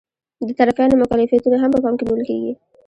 د طرفینو مکلفیتونه هم په پام کې نیول کیږي.